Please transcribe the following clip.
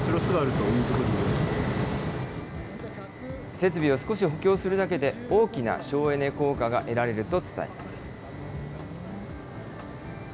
設備を少し補強するだけで、大きな省エネ効果が得られると伝えました。